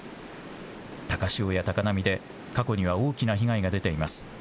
高潮や高波で過去には大きな被害が出ています。